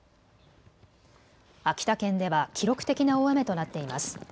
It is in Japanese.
秋田県では記録的な大雨となっています。